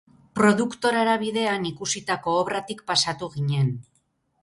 Produktorara bidean ikusitako obratik pasatu ginen.